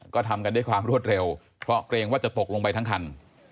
ก็ทำกันด้วยความรวดเร็วเพราะเกรงว่าจะตกลงไปทั้งคัน